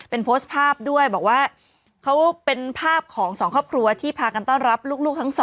เป็นโพสต์ภาพด้วยบอกว่าเขาเป็นภาพของสองครอบครัวที่พากันต้อนรับลูกทั้ง๒